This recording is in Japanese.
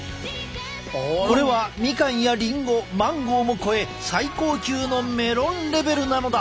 これはミカンやリンゴマンゴーも超え最高級のメロンレベルなのだ。